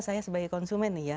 saya sebagai konsumen nih ya